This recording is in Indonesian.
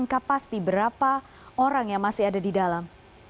apakah pasti berapa orang yang masih ada di dalam